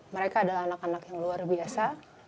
mereka adalah anak anak yang luar biasa